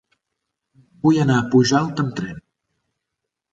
Vull anar a Pujalt amb tren.